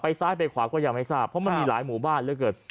ซ้ายไปขวาก็ยังไม่ทราบเพราะมันมีหลายหมู่บ้านเหลือเกิน